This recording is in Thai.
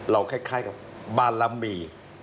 คล้ายกับบารมี